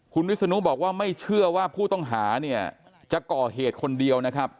คุณวิศนุบอกว่าไม่เชื่อว่าผู้ต้องหาเนี่ยจะก่อเหตุคนเดียวนะครับ